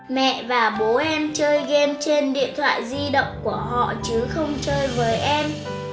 mẹ và bố em chơi game trên điện thoại di động của họ chứ không chơi với em